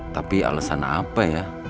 tapi alesan apa ya